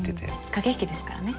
駆け引きですからね。